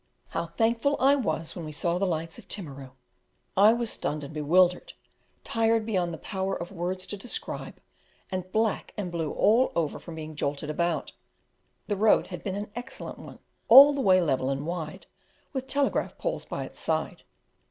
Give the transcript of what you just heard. How thankful I was when we saw the lights of Timaru! I was stunned and bewildered, tired beyond the power of words to describe, and black and blue all over from being jolted about. The road had been an excellent one, all the way level and wide, with telegraph poles by its side.